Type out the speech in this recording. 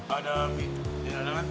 ada tidak ada kan